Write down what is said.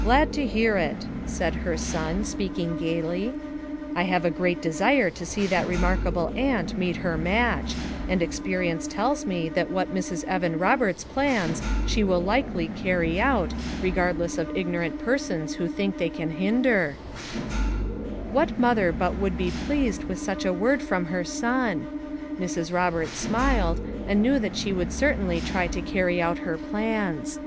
"Glad to hear it," said her son, speaking gayly. "I have a great desire to see that re markable aunt meet her match ; and experience tells me that what Mrs. Evan Roberts plans she will be likely to carry out, regardless of ignorant persons who think they can hinder," What mother but would be pleased with such a word from her son? Mrs. Roberts smiled, and knew that she would certainly try to carry out her plans.